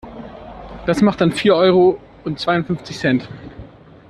Das macht dann vier Euro und zweiundfünfzig Cent.